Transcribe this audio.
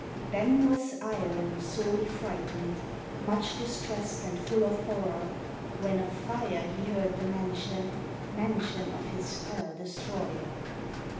Then was Iron sorely frightened. Much distressed and full of horror, When of Fire he heard the mention, Mention of his fell destroyer.